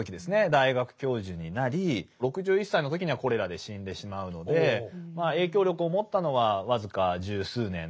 大学教授になり６１歳の時にはコレラで死んでしまうので影響力を持ったのは僅か十数年ということになります。